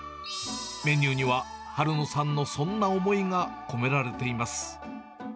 メニューには、春野さんのそんな思いが込められています。